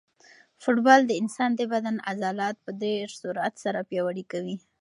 فوټبال د انسان د بدن عضلات په ډېر سرعت سره پیاوړي کوي.